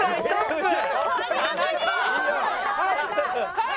はい！